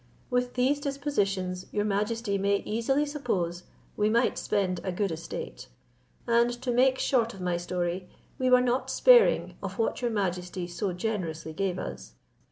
With these dispositions your majesty may easily suppose we might spend a good estate; and to make short of my story, we were not sparing of what your majesty so generously gave us.